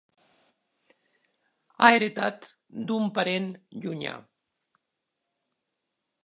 Ha heretat d'un parent llunyà.